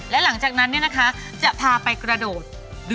และหลังจากนั้นเนี่ยนะคะจะพาไปกระโดด